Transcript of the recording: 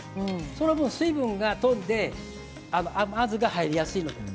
その分、水分が飛んで甘酢が入りやすいです。